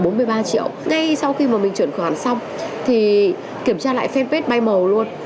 bốn mươi ba triệu ngay sau khi mà mình chuyển khoản xong thì kiểm tra lại fanpage bay màu luôn